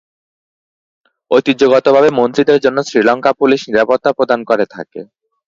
ঐতিহ্যগতভাবে মন্ত্রীদের জন্য শ্রীলংকা পুলিশ নিরাপত্তা প্রদান করে থাকে।